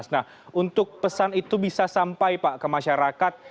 nah untuk pesan itu bisa sampai pak ke masyarakat